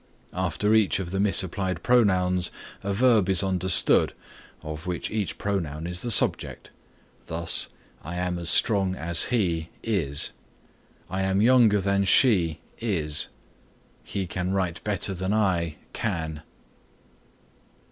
After each of the misapplied pronouns a verb is understood of which each pronoun is the subject. Thus, "I am as strong as he (is)." "I am younger than she (is)." "He can write better than I (can)."